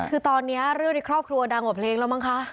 คือตอนนี้เรื่องในครอบครัวดังกว่าเพลงแล้วมั้งคะ